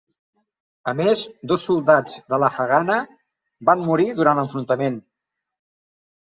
A més, dos soldats de la Haganah van morir durant l'enfrontament.